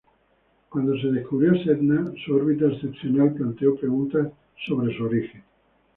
Cuando se descubrió Sedna, su órbita excepcional planteó preguntas acerca de su origen.